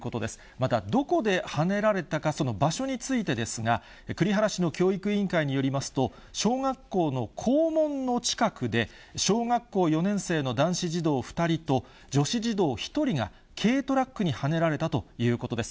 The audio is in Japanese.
また、どこではねられたか、その場所についてですが、栗原市の教育委員会によりますと、小学校の校門の近くで、小学校４年生の男子児童２人と、女子児童１人が、軽トラックにはねられたということです。